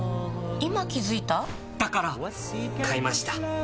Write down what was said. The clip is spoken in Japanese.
今気付いた？だから！買いました。